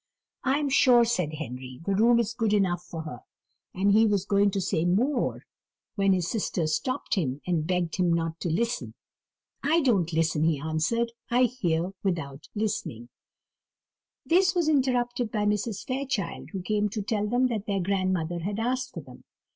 "I am sure," said Henry, "the room is good enough for her:" and he was going to say more, when his sisters stopped him, and begged him not to listen. "I don't listen," he answered; "I hear without listening." They were interrupted by Mrs. Fairchild, who came to tell them that their grandmother had asked for them.